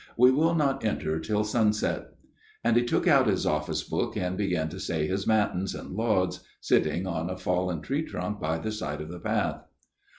* We will not enter till sunset.' " And he took out his Office book and began to say his Matins and Lauds, sitting on a fallen t tree trunk by the side of the path.